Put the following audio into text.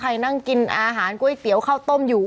นั่งกินอาหารก๋วยเตี๋ยวข้าวต้มอยู่